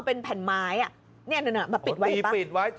เป็นแผ่นไม้นี่มันปีดไว้